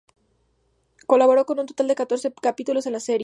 Colaboró con un total de catorce capítulos en la serie.